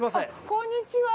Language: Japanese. こんにちは。